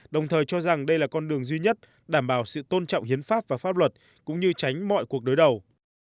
đồng thời cho rằng đây là con đường duy nhất đảm bảo sự tôn trọng hiến pháp và pháp luật cũng như tránh mọi cuộc đối đầu